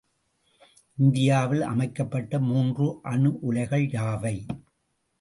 இந்தியாவில் அமைக்கப்பட்ட மூன்று அணுஉலைகள் யாவை?